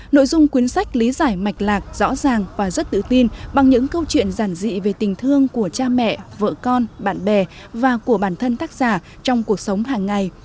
nội dung cuốn sách lý giải mạch lạc rõ ràng và rất tự tin bằng những câu chuyện giản dị về tình thương của cha mẹ vợ con bạn bè và của bản thân tác giả trong cuộc sống hàng ngày